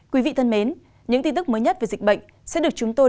quý vị thân mến những tin tức mới nhất về dịch bệnh sẽ được chúng tôi